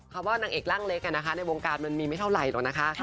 ว่านางเอกร่างเล็กในวงการมันมีไม่เท่าไหร่หรอกนะคะ